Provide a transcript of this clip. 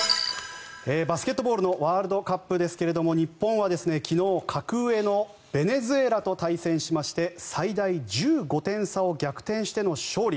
バスケットボールのワールドカップですが日本は昨日、格上のベネズエラと対戦しまして最大１５点差を逆転しての勝利。